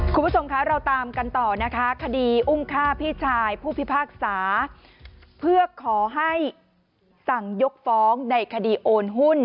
คุณผู้ชมคะเราตามกันต่อนะคะคดีอุ้มฆ่าพี่ชายผู้พิพากษาเพื่อขอให้สั่งยกฟ้องในคดีโอนหุ้น